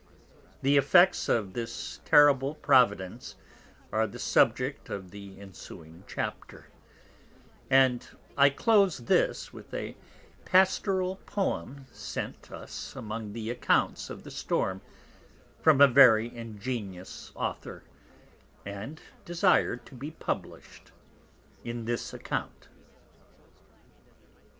The Effects of this terrible Providence are the Subject of the ensuing Chapter; and I close this with a Pastoral Poem sent us among the Accounts of the Storm from a very ingenious Author, and desir'd to be publish'd in this Account.